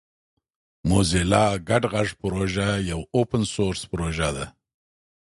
موزیلا ګډ غږ پروژه یوه اوپن سورس پروژه ده.